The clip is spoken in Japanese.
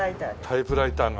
タイプライターが。